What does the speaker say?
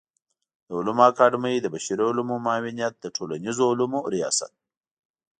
د علومو اکاډمۍ د بشري علومو معاونيت د ټولنيزو علومو ریاست